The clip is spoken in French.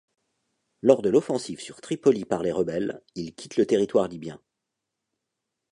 Lors de l'offensive sur Tripoli par les rebelles, il quitte le territoire libyen.